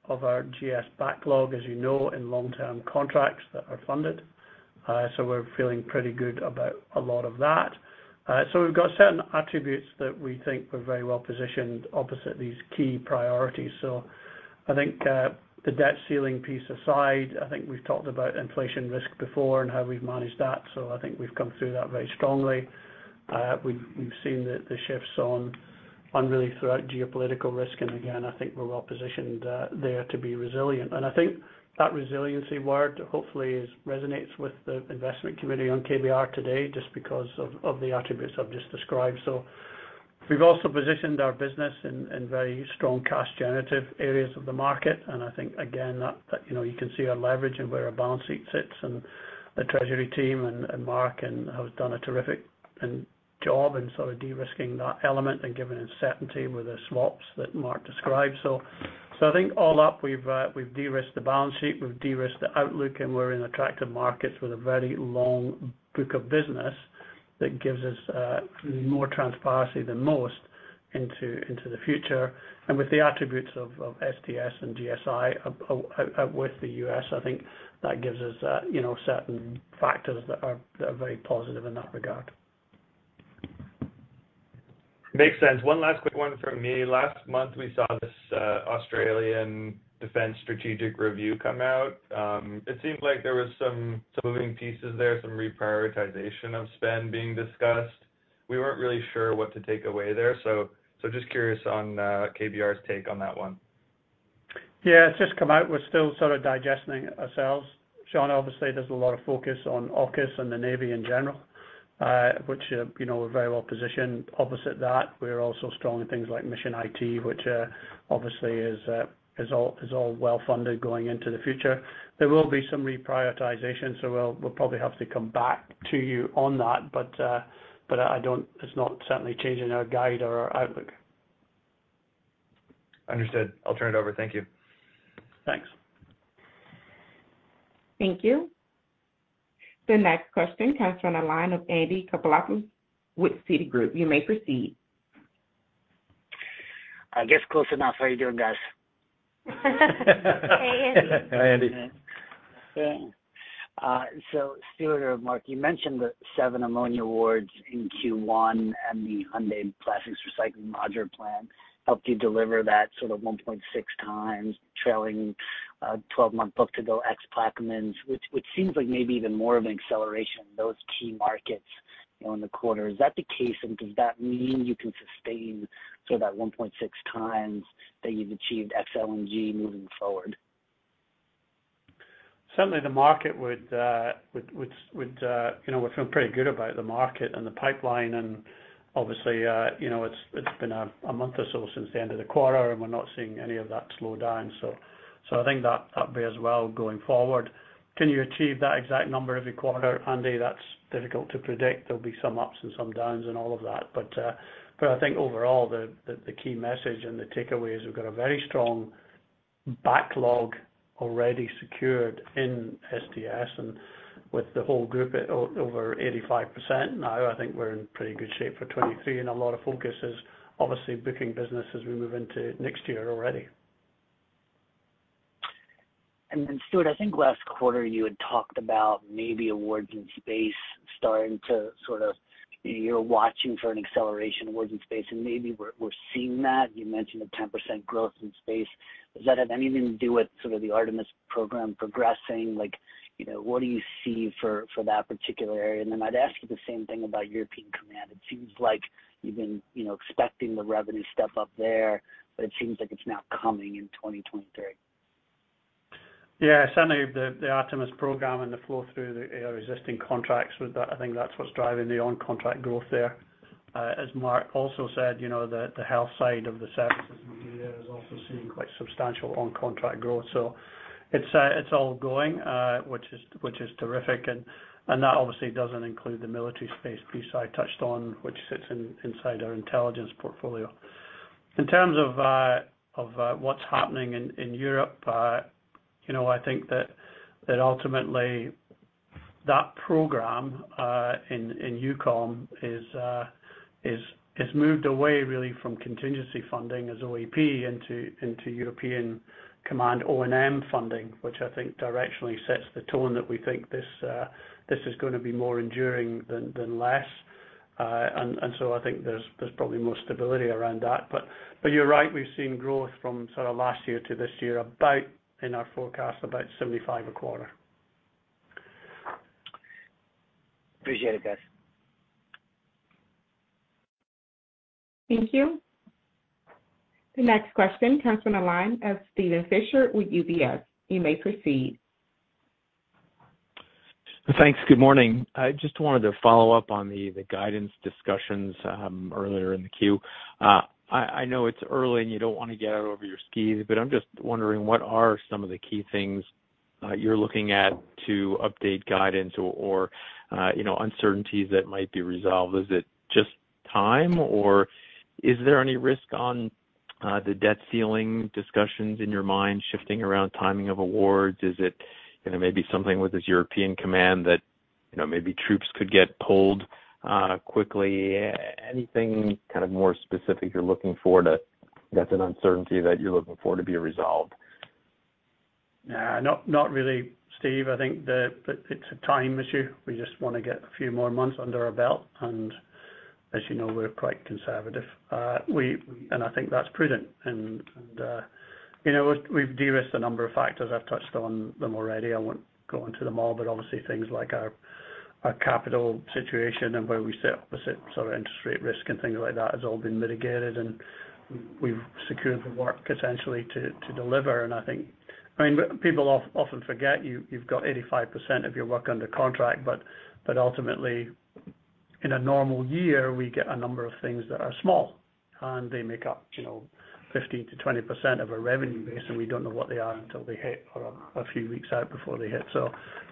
of our GS backlog, as you know, in long-term contracts that are funded. We're feeling pretty good about a lot of that. We've got certain attributes that we think we're very well positioned opposite these key priorities. I think, the debt ceiling piece aside, I think we've talked about inflation risk before and how we've managed that. I think we've come through that very strongly. We've seen the shifts on really throughout geopolitical risk. Again, I think we're well positioned there to be resilient. I think that resiliency word hopefully resonates with the investment committee on KBR today just because of the attributes I've just described. We've also positioned our business in very strong cash generative areas of the market. I think again, that, you know, you can see our leverage and where our balance sheet sits and the treasury team and Mark and has done a terrific job in sort of de-risking that element and giving us certainty with the swaps that Mark described. I think all up, we've de-risked the balance sheet, we've de-risked the outlook, and we're in attractive markets with a very long book of business that gives us more transparency than most into the future. With the attributes of SDS and GSI out with the U.S., I think that gives us, you know, certain factors that are, that are very positive in that regard. Makes sense. One last quick one from me. Last month we saw this Australian defense strategic review come out. It seemed like there was some moving pieces there, some reprioritization of spend being discussed. We weren't really sure what to take away there. Just curious on KBR's take on that one. Yeah, it's just come out. We're still sort of digesting it ourselves. Sean, obviously does a lot of focus on AUKUS and the Navy in general, which, you know, we're very well positioned opposite that. We're also strong in things like mission IT, which obviously is all well funded going into the future. There will be some reprioritization, so we'll probably have to come back to you on that. It's not certainly changing our guide or our outlook. Understood. I'll turn it over. Thank you. Thanks. Thank you. The next question comes from the line of Andy Kaplowitz with Citigroup. You may proceed. I guess close enough. How are you doing, guys? Hey, Andy. Hi, Andy. Stuart or Mark, you mentioned the seven ammonia awards in Q1 and the Hyundai Plastics Recycling modular plan helped you deliver that sort of 1.6x trailing 12-month book to go ex Plaquemines, which seems like maybe even more of an acceleration in those key markets, you know, in the quarter. Is that the case, and does that mean you can sustain sort of that 1.6x that you've achieved ex LNG moving forward? Certainly, the market would, you know, we're feeling pretty good about the market and the pipeline and obviously, you know, it's been a month or so since the end of the quarter, and we're not seeing any of that slow down. I think that bodes well going forward. Can you achieve that exact number every quarter, Andy? That's difficult to predict. There'll be some ups and some downs in all of that. I think overall the key message and the takeaway is we've got a very strong backlog already secured in SDS. With the whole group at over 85% now, I think we're in pretty good shape for 2023. A lot of focus is obviously booking business as we move into next year already. Stuart, I think last quarter you had talked about maybe awards in space starting to you know, you're watching for an acceleration awards in space and maybe we're seeing that. You mentioned a 10% growth in space. Does that have anything to do with sort of the Artemis program progressing? Like, what do you see for that particular area? I'd ask you the same thing about European Command. It seems like you've been, you know, expecting the revenue step up there, but it seems like it's now coming in 2023? Yeah. Certainly the Artemis program and the flow through the existing contracts with that, I think that's what's driving the on contract growth there. As Mark also said, you know, the health side of the services in India is also seeing quite substantial on contract growth. It's all going, which is terrific. That obviously doesn't include the military space piece I touched on, which sits inside our intelligence portfolio. In terms of what's happening in Europe, you know, I think that ultimately that program, in EUCOM is moved away really from contingency funding as OCO into European Command O&M funding, which I think directionally sets the tone that we think this is gonna be more enduring than less. So I think there's probably more stability around that. But, but you're right, we've seen growth from sort of last year to this year, about, in our forecast, about $75 a quarter. Appreciate it, guys. Thank you. The next question comes from the line of Steven Fisher with UBS. You may proceed. Thanks. Good morning. I just wanted to follow up on the guidance discussions earlier in the queue. I know it's early, and you don't wanna get out over your skis, but I'm just wondering what are some of the key things you're looking at to update guidance or, you know, uncertainties that might be resolved? Is it just time, or is there any risk on the debt ceiling discussions in your mind shifting around timing of awards? Is it, you know, maybe something with this European Command that, you know, maybe troops could get pulled quickly? Anything kind of more specific you're looking for that's an uncertainty that you're looking for to be resolved? Not, not really, Steve. I think it's a time issue. We just wanna get a few more months under our belt and as you know, we're quite conservative. I think that's prudent. We've de-risked a number of factors. I've touched on them already. I won't go into them all, but obviously things like our capital situation and where we sit with the sort of interest rate risk and things like that has all been mitigated and we've secured the work potentially to deliver. I mean, people often forget you've got 85% of your work under contract. Ultimately, in a normal year, we get a number of things that are small, and they make up, you know, 15%-20% of our revenue base, and we don't know what they are until they hit or a few weeks out before they hit.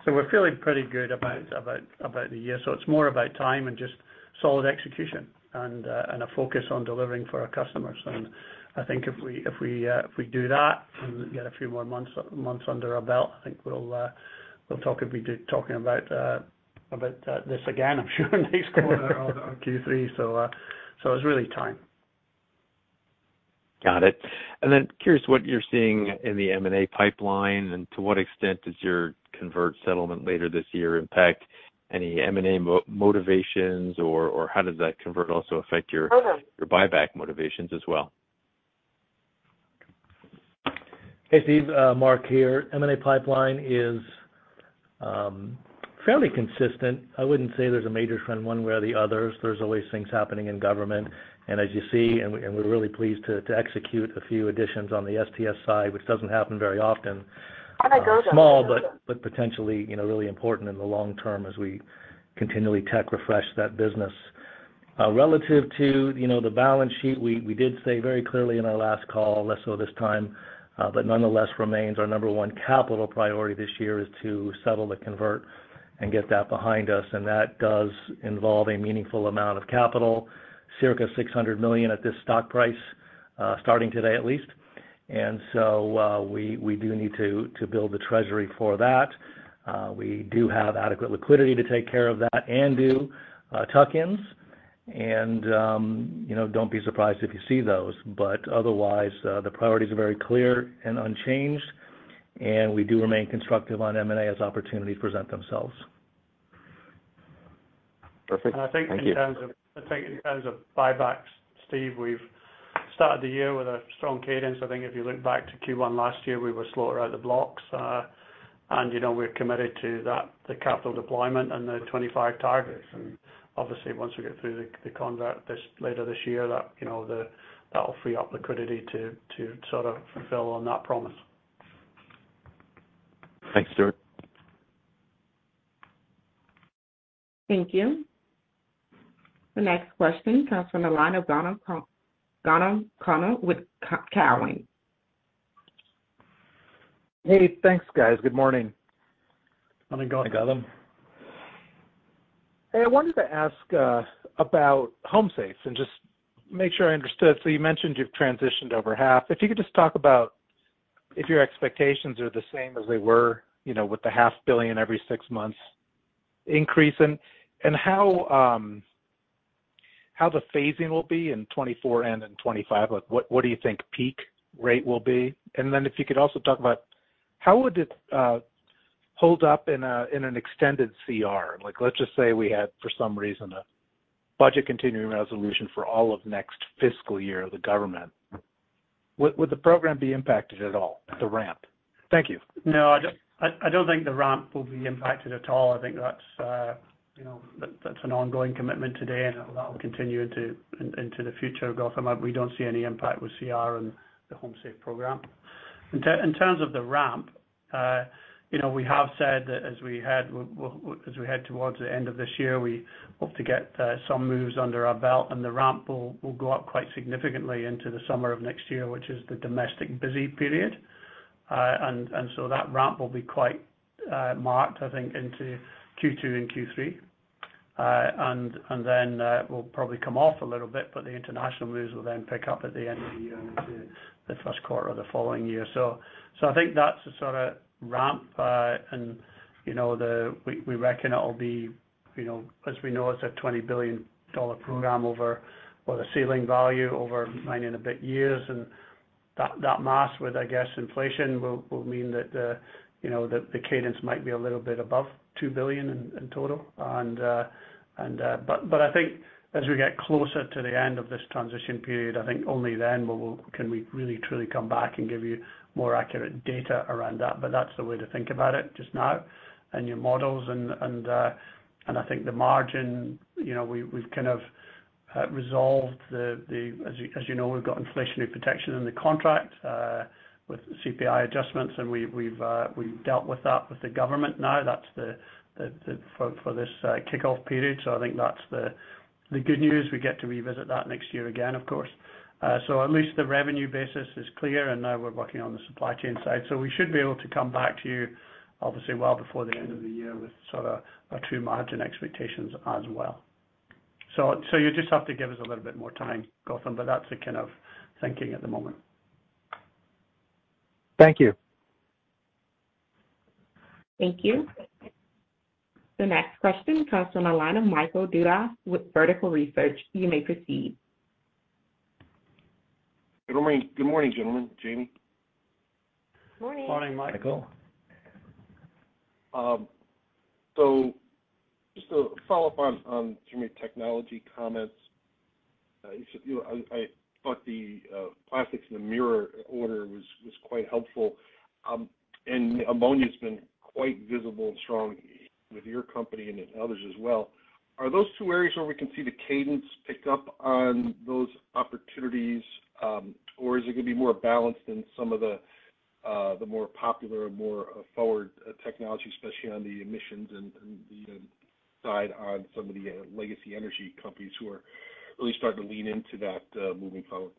We're feeling pretty good about the year. It's more about time and just solid execution and a focus on delivering for our customers. I think if we do that and get a few more months under our belt, I think we'll talk, be talking about this again, I'm sure next quarter or Q3. It's really time. Got it. Curious what you're seeing in the M&A pipeline and to what extent does your convert settlement later this year impact any M&A motivations or how does that convert also affect your buyback motivations as well? Hey Steve. Mark here. M&A pipeline is fairly consistent. I wouldn't say there's a major trend one way or the other. There's always things happening in government. As you see, and we are really pleased to execute a few additions on the STSI, which doesn't happen very often. Small, but potentially, you know, really important in the long term as we continually tech refresh that business. Relative to, you know, the balance sheet, we did say very clearly in our last call, less so this time, but nonetheless remains our number one capital priority this year is to settle the convert and get that behind us. That does involve a meaningful amount of capital, circa $600 million at this stock price, starting today at least. We do need to build the treasury for that. We do have adequate liquidity to take care of that and do tuck-ins. You know, don't be surprised if you see those. Otherwise, the priorities are very clear and unchanged, and we do remain constructive on M&A as opportunities present themselves. Perfect. Thank you. I think in terms of buybacks, Steve, we've started the year with a strong cadence. I think if you look back to Q1 last year, we were slower out of the blocks. You know, we're committed to that, the capital deployment and the 25 targets. Obviously, once we get through the convert this, later this year, that, you know, that will free up liquidity to sort of fulfill on that promise. Thanks, Stuart. Thank you. The next question comes from the line of Gautam Khanna with Cowen. Hey, thanks, guys. Good morning. Morning, Gautam. Hi, Gautam. Hey, I wanted to ask about HomeSafe Alliance and just make sure I understood. You mentioned you've transitioned over half. If you could just talk about if your expectations are the same as they were with the half billion every six months increase and how the phasing will be in 2024 and in 2025. Like, what do you think peak rate will be? Then if you could also talk about how would it hold up in an extended CR? Like, let's just say we had, for some reason, a budget continuing resolution for all of next fiscal year of the government. Would the program be impacted at all, the ramp? Thank you. No, I don't think the ramp will be impacted at all. I think that's, you know, that's an ongoing commitment today, and that will continue into the future, Gautam. We don't see any impact with CR and the HomeSafe Alliance program. In terms of the ramp, we have said that as we head As we head towards the end of this year, we hope to get some moves under our belt, and the ramp will go up quite significantly into the summer of next year, which is the domestic busy period. That ramp will be quite marked, I think, into Q2 and Q3. Then we'll probably come off a little bit, the international moves will then pick up at the end of the year into the first quarter of the following year. I think that's the sort of ramp. We reckon it'll be, you know, as we know, it's a $20 billion program over or the ceiling value over nine and a bit years. That, that mass with, I guess, inflation will mean that the, you know, the cadence might be a little bit above $2 billion in total. I think as we get closer to the end of this transition period, I think only then can we really truly come back and give you more accurate data around that. That's the way to think about it just now and your models and I think the margin, you know, we've kind of resolved. As you know, we've got inflationary protection in the contract with CPI adjustments, and we've dealt with that with the government now. That's the for this kickoff period. I think that's the good news. We get to revisit that next year again, of course. At least the revenue basis is clear, and now we're working on the supply chain side. We should be able to come back to you obviously well before the end of the year with sorta a true margin expectations as well. You just have to give us a little bit more time, Gautam, but that's the kind of thinking at the moment. Thank you. Thank you. The next question comes from a line of Michael Dudas with Vertical Research. You may proceed. Good morning, gentlemen, Jamie. Morning. Morning, Michael. Just to follow up on some of your technology comments. You said, you know, I thought the plastics and the mirror order was quite helpful. Ammonia's been quite visible and strong with your company and in others as well. Are those two areas where we can see the cadence pick up on those opportunities, or is it gonna be more balanced in some of the more popular or more forward technology, especially on the emissions and the side on some of the legacy energy companies who are really starting to lean into that moving forward?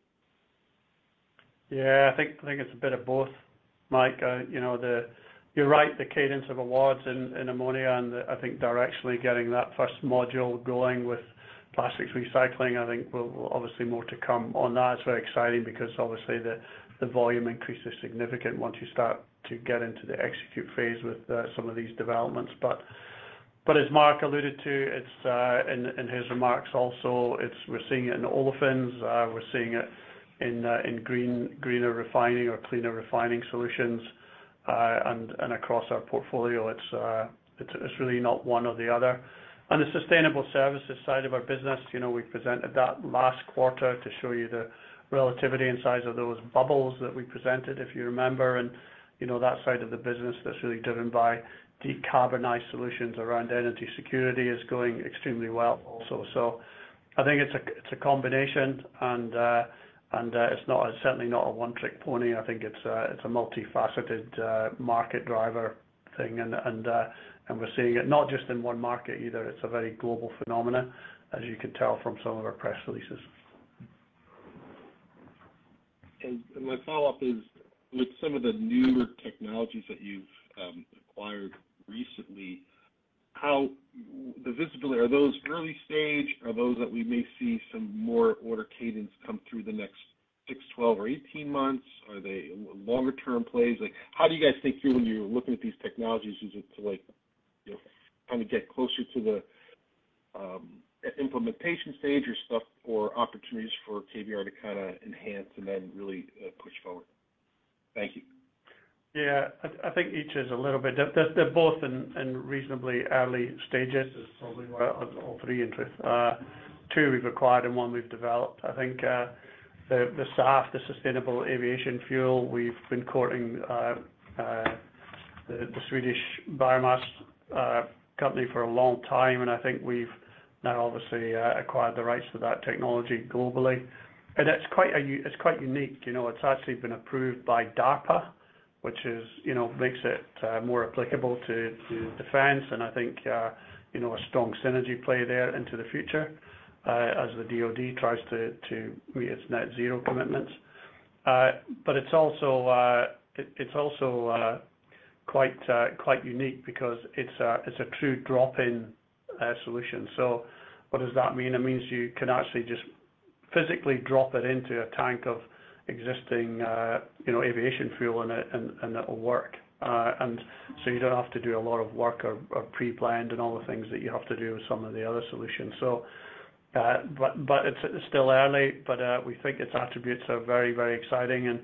I think it's a bit of both, Mike. You know, the You're right, the cadence of awards in ammonia and I think directionally getting that first module going with plastics recycling, I think we'll. Obviously, more to come on that. It's very exciting because obviously the volume increase is significant once you start to get into the execute phase with some of these developments. As Mark alluded to, in his remarks also, we're seeing it in olefins, we're seeing it in greener refining or cleaner refining solutions, and across our portfolio. It's really not one or the other. On the sustainable services side of our business, you know, we presented that last quarter to show you the relativity and size of those bubbles that we presented, if you remember. You know that side of the business that's really driven by decarbonized solutions around energy security is going extremely well also. I think it's a, it's a combination and it's not a, certainly not a one-trick pony. I think it's a multifaceted market driver thing and we're seeing it not just in one market either, it's a very global phenomena, as you can tell from some of our press releases. My follow-up is, with some of the newer technologies that you've acquired recently, how the visibility? Are those early stage? Are those that we may see some more order cadence come through the next six, 12 or 18 months? Are they longer term plays? Like, how do you guys think through when you're looking at these technologies? Is it to like, you know, kind of get closer to the implementation stage or stuff for opportunities for KBR to kinda enhance and then really push forward? Thank you. Yeah. I think each is a little bit. They're both in reasonably early stages is probably where all three interest. Two we've acquired and one we've developed. I think the SAF, the sustainable aviation fuel, we've been courting the Swedish Biofuels company for a long time. I think we've now obviously acquired the rights to that technology globally. It's quite unique. You know, it's actually been approved by DARPA, which is, you know, makes it more applicable to defense. I think, you know, a strong synergy play there into the future as the DOD tries to meet its net zero commitments. It's also quite unique because it's a true drop-in solution. What does that mean? It means you can actually just physically drop it into a tank of existing, you know, aviation fuel and it'll work. You don't have to do a lot of work or pre-planned and all the things that you have to do with some of the other solutions. It's still early, but we think its attributes are very, very exciting and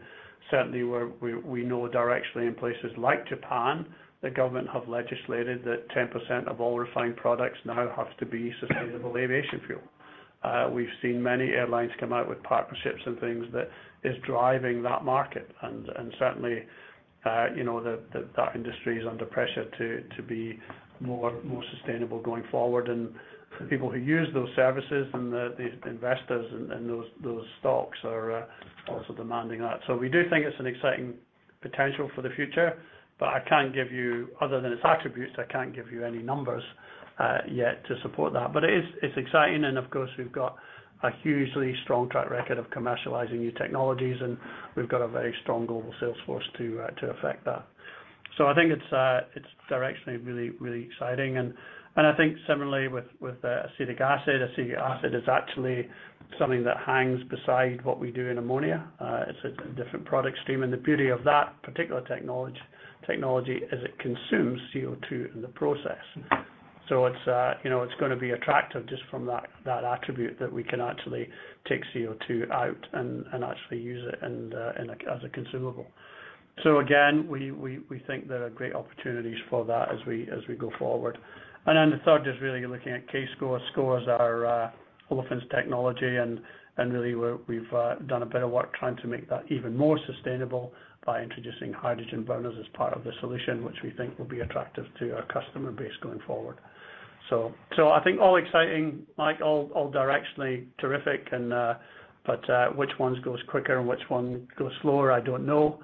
certainly we know directionally in places like Japan, the government have legislated that 10% of all refined products now has to be sustainable aviation fuel. We've seen many airlines come out with partnerships and things that is driving that market, and certainly, you know, that industry is under pressure to be more sustainable going forward. For people who use those services and the investors and those stocks are also demanding that. We do think it's an exciting potential for the future, but I can't give you. Other than its attributes, I can't give you any numbers yet to support that. It is, it's exciting and of course we've got a hugely strong track record of commercializing new technologies, and we've got a very strong global sales force to affect that. I think it's directionally really, really exciting. I think similarly with acetic acid. Acetic acid is actually something that hangs beside what we do in ammonia. It's a different product stream, and the beauty of that particular technology is it consumes CO2 in the process. It's, you know, it's gonna be attractive just from that attribute that we can actually take CO2 out and actually use it in as a consumable. Again, we think there are great opportunities for that as we go forward. The third is really looking at SCORE. Scores are olefins technology, and really we've done a bit of work trying to make that even more sustainable by introducing hydrogen burners as part of the solution, which we think will be attractive to our customer base going forward. I think all exciting, Mike, all directionally terrific, and, but, which ones goes quicker and which one goes slower, I don't know.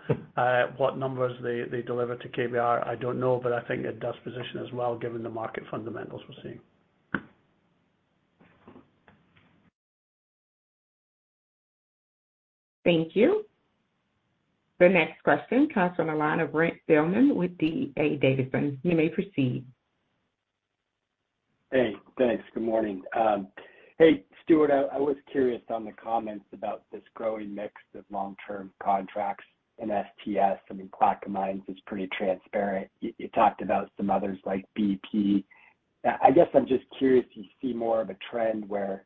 what numbers they deliver to KBR, I don't know. I think it does position us well, given the market fundamentals we're seeing. Thank you. The next question comes from the line of Brent Thielman with D.A. Davidson. You may proceed. Hey, thanks. Good morning. Hey, Stuart, I was curious on the comments about this growing mix of long-term contracts in STS. I mean, Plaquemines is pretty transparent. You talked about some others like BP. I guess I'm just curious, do you see more of a trend where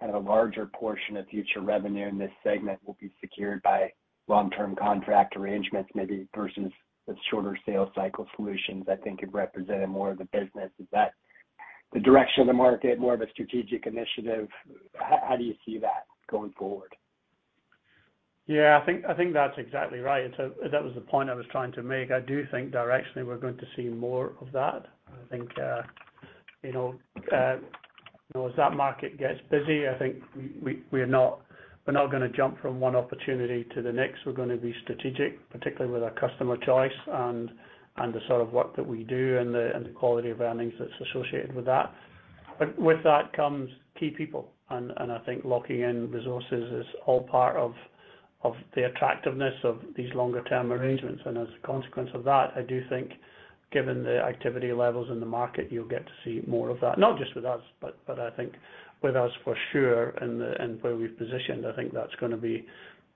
kind of a larger portion of future revenue in this segment will be secured by long-term contract arrangements, maybe versus the shorter sales cycle solutions that think it represented more of the business? Is that the direction of the market, more of a strategic initiative? How do you see that going forward? Yeah, I think that's exactly right. That was the point I was trying to make. I do think directionally, we're going to see more of that. I think, you know, you know, as that market gets busy, I think we are not, we're not gonna jump from one opportunity to the next. We're gonna be strategic, particularly with our customer choice and the sort of work that we do and the quality of earnings that's associated with that. With that comes key people and I think locking in resources is all part of the attractiveness of these longer term arrangements. As a consequence of that, I do think given the activity levels in the market, you'll get to see more of that, not just with us, but I think with us for sure and where we've positioned, I think that's gonna be,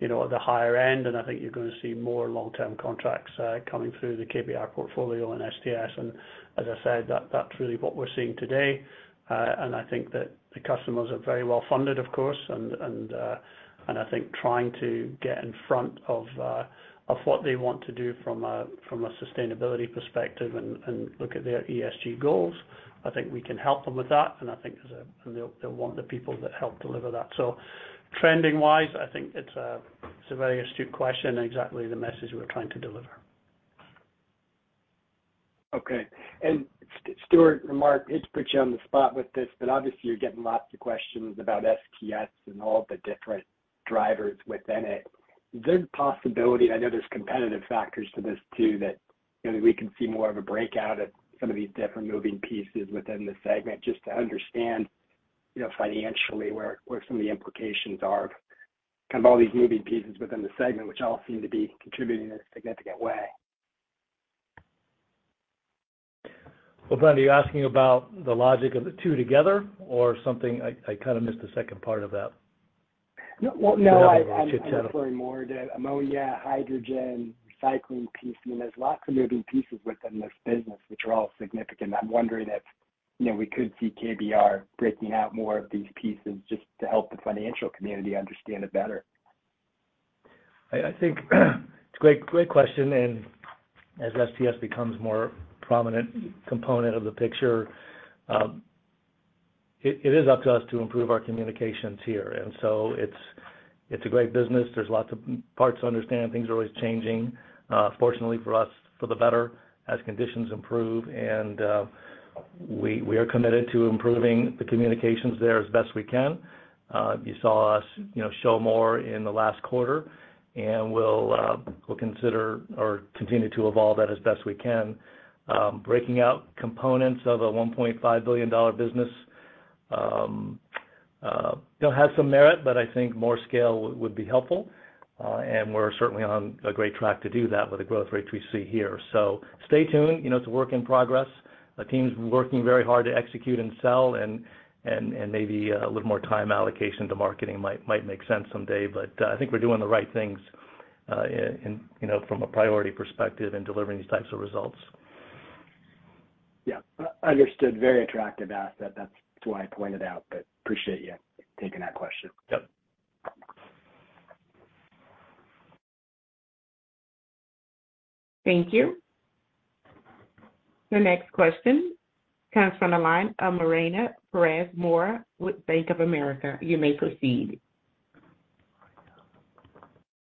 you know, at the higher end, and I think you're gonna see more long-term contracts coming through the KBR portfolio and STS. As I said, that's really what we're seeing today. I think that the customers are very well funded, of course, and I think trying to get in front of what they want to do from a sustainability perspective and look at their ESG goals. I think we can help them with that, and I think there's and they'll want the people that help deliver that. Trending wise, I think it's a very astute question and exactly the message we're trying to deliver. Okay. Stuart and Mark, hate to put you on the spot with this, but obviously you're getting lots of questions about STS and all the different drivers within it. Is there a possibility, I know there's competitive factors to this too, that, you know, we could see more of a breakout at some of these different moving pieces within the segment just to understand, you know, financially where some of the implications are of kind of all these moving pieces within the segment, which all seem to be contributing in a significant way? Well, Brent, are you asking about the logic of the two together or something? I kind of missed the second part of that. No. Well, no, I'm referring more to ammonia, hydrogen, recycling piece. I mean, there's lots of moving pieces within this business which are all significant. I'm wondering if, you know, we could see KBR breaking out more of these pieces just to help the financial community understand it better. I think it's a great question. As STS becomes more prominent component of the picture, it is up to us to improve our communications here. It's a great business. There's lots of parts to understand. Things are always changing, fortunately for us, for the better as conditions improve. We are committed to improving the communications there as best we can. You saw us show more in the last quarter, and we'll consider or continue to evolve that as best we can. Breaking out components of a $1.5 billion business, you know, has some merit, but I think more scale would be helpful. We're certainly on a great track to do that with the growth rates we see here. Stay tuned, you know, it's a work in progress. The team's working very hard to execute and sell and maybe a little more time allocation to marketing might make sense someday. I think we're doing the right things in from a priority perspective in delivering these types of results. Yeah. Understood. Very attractive asset. That's why I pointed out, but appreciate you taking that question. Yep. Thank you. Your next question comes from the line of Mariana Perez Mora with Bank of America. You may proceed.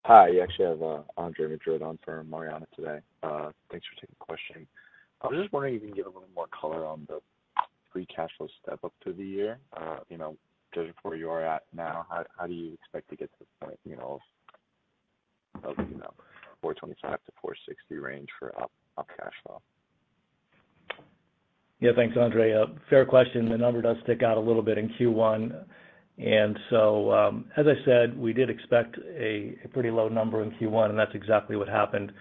Hi. You actually have Andre Madrid on for Mariana today. Thanks for taking the question. I was just wondering if you can give a little more color on the free cash flow step up through the year. You know, judging where you are at now, how do you expect to get to the point of $425 million-$460 million range for cash flow? Yeah. Thanks, Andre. A fair question. The number does stick out a little bit in Q1. As I said, we did expect a pretty low number in Q1, and that's exactly what happened.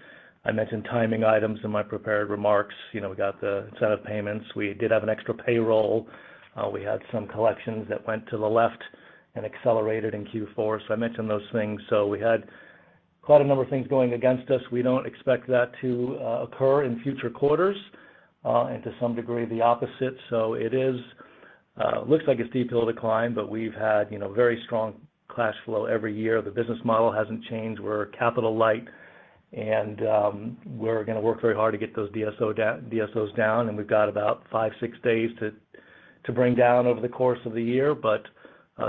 I mentioned timing items in my prepared remarks. You know, we got the set of payments. We did have an extra payroll. We had some collections that went to the left and accelerated in Q4. I mentioned those things. We had quite a number of things going against us. We don't expect that to occur in future quarters and to some degree the opposite. It looks like a steep hill to climb, but we've had, you know, very strong cash flow every year. The business model hasn't changed. We're capital light, and we're gonna work very hard to get those DSOs down, and we've got about five, six days to bring down over the course of the year.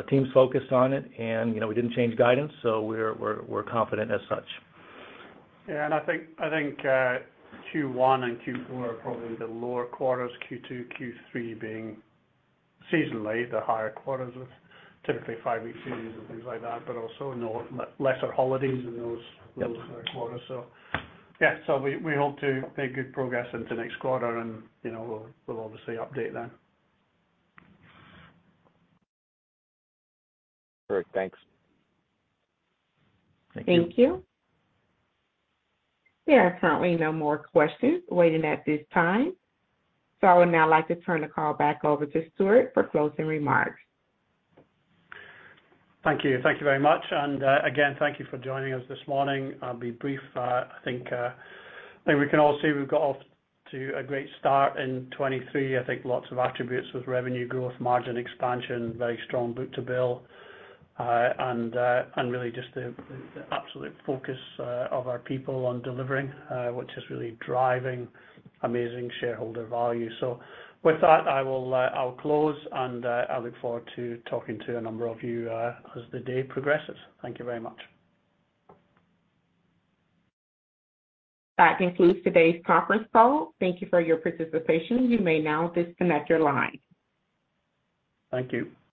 Team's focused on it and, you know, we didn't change guidance, so we're confident as such. Yeah. I think Q1 and Q4 are probably the lower quarters. Q2, Q3 being seasonally the higher quarters with typically five-week seasons and things like that, but also lesser holidays in those. Yep. -lower quarters. Yeah. So we hope to make good progress into next quarter and, you know, we'll obviously update then. Great. Thanks. Thank you. Thank you. There are currently no more questions waiting at this time. I would now like to turn the call back over to Stuart for closing remarks. Thank you. Thank you very much. Again, thank you for joining us this morning. I'll be brief. I think we can all see we've got off to a great start in 2023. I think lots of attributes with revenue growth, margin expansion, very strong book-to-bill, and really just the absolute focus of our people on delivering, which is really driving amazing shareholder value. With that, I'll close and I look forward to talking to a number of you as the day progresses. Thank you very much. That concludes today's conference call. Thank you for your participation. You may now disconnect your line. Thank you.